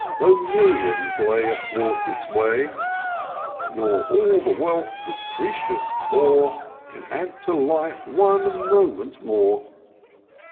Though millions lay athwart his way ; Nor all the wealth that Crcesus bore Can add to Life one moment more.